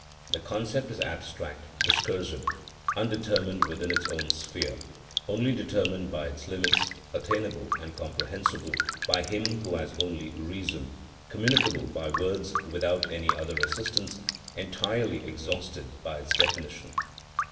The concept is abstract, discursive, undetermined within its own sphere, only determined by its limits, attainable and comprehensible by him who has only reason, communicable by words without any other assistance, entirely exhausted by its definition.